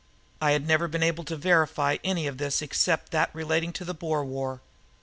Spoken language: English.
I had never been able to verify any of this except that relating to the Boer War.